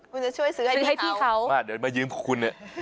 คุณจะช่วยซื้อให้พี่เขาซื้อให้พี่เขาเดี๋ยวมายืมของคุณเนี่ย